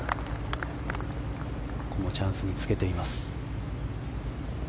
ここもチャンスにつけています。